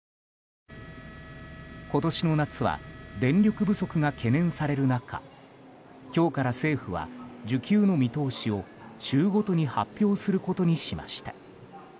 今年の夏は電力不足が懸念される中今日から政府は需給の見通しを週ごとに発表することにしました。